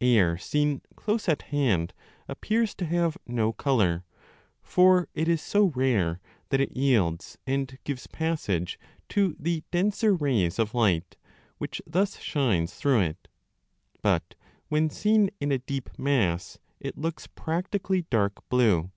Air seen close at hand appears to have no colour, for it is so rare 10 that it yields and gives passage to the denser rays of light, which thus shines through it ; but when seen in a deep mass it looks practically dark blue.